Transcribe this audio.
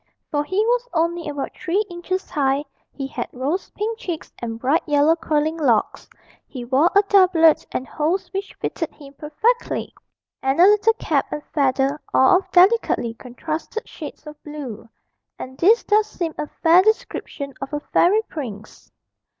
For he was only about three inches high, he had rose pink cheeks and bright yellow curling locks, he wore a doublet and hose which fitted him perfectly, and a little cap and feather, all of delicately contrasted shades of blue and this does seem a fair description of a fairy prince.